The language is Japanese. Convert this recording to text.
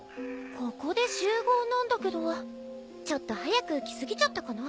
ここで集合なんだけどちょっと早く来すぎちゃったかな。